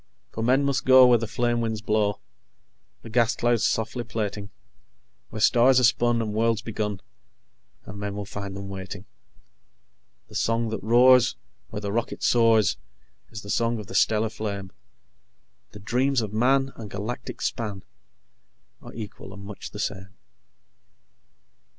_ "_For men must go where the flame winds blow, The gas clouds softly plaiting; Where stars are spun and worlds begun, And men will find them waiting._ "_The song that roars where the rocket soars Is the song of the stellar flame; The dreams of Man and galactic span Are equal and much the same.